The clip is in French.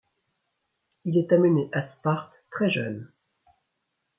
Il est amené à Sparte très jeune.